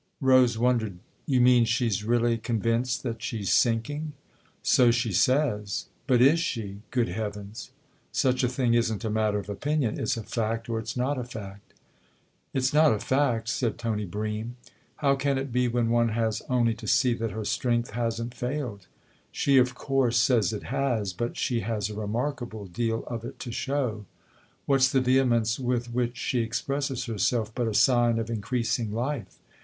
Rose wondered. "You mean she's really con vinced that she's sinking ?"" So she says." " But ^'s she, good heavens ? Such a thing isn't a matter of opinion : it's a fact or it's not a fact." " It's not a fact," said Tony Bream. " How can it be when one has only to see that her strength hasn't failed ? She of course says it . has, but she has a remarkable deal of it to show. What's the vehemence with which she expresses herself but a sign of increasing life